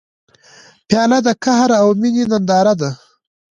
پیاله د قهر او مینې ننداره ده.